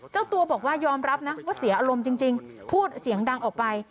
เจ้าตัวบอกว่ายอมรับนะว่าเสียอารมณ์จริงพูดเสียงดังออกไป